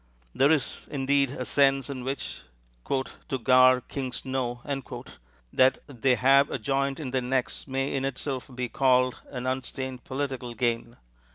There is, indeed, a sense in which "to gar kings know" that they have a joint in their necks may in itself be called an unstained political gain.